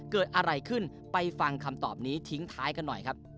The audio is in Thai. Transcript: เกิดอะไรขึ้นไปฟังคำตอบนี้ทิ้งท้ายกันหน่อยครับ